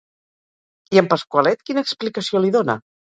I en Pasqualet quina explicació li dona?